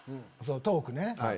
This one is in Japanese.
トークね。